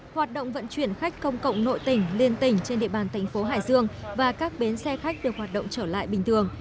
hoạt động vận chuyển khách công cộng nội tỉnh liên tỉnh trên địa bàn thành phố hải dương và các bến xe khách được hoạt động trở lại bình thường